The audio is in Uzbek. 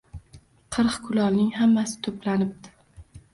Qirq kulolning hammasi to‘planibdi